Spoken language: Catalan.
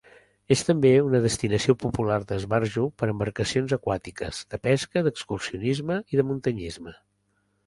És també una destinació popular d'esbarjo per a embarcacions aquàtiques, de pesca, d'excursionisme i de muntanyisme.